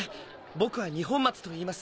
僕は二本松といいます。